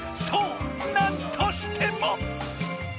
そうなんとしても。